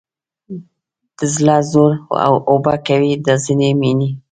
د زړه زور اوبه کوي دا ځینې مینې